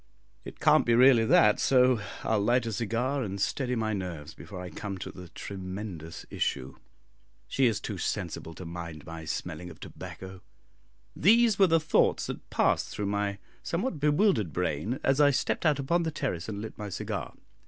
It can't be really that, so I'll light a cigar and steady my nerves before I come to the tremendous issue. She is too sensible to mind my smelling of tobacco." These were the thoughts that passed through my somewhat bewildered brain, as I stepped out upon the terrace and lit my cigar.